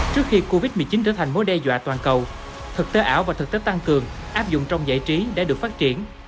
trước khi covid một mươi chín trở thành mối đe dọa toàn cầu thực tế ảo và thực tế tăng cường áp dụng trong giải trí đã được phát triển